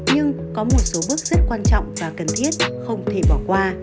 nhưng có một số bước rất quan trọng và cần thiết không thể bỏ qua